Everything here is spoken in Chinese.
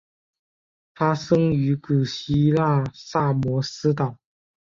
他生于古希腊萨摩斯岛。